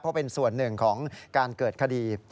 เพราะเป็นส่วนหนึ่งของการเกิดคดี